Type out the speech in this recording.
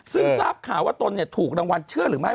ซึ่งทราบข่าวว่าตนถูกรางวัลเชื่อหรือไม่